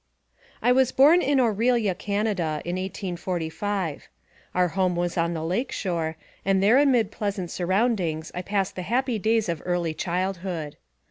I WAS born in Orillia, Canada, in 1845. Our home was on the lake shore, and there amid pleasant sur roundings I passed the happy days of early childhood.